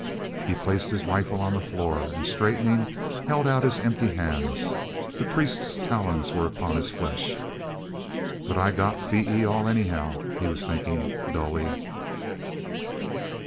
He placed his rifle on the floor and, straightening, held out his empty hands; the priest's talons were upon his flesh. "But I got Phee e al, anyhow," he was thinking dully.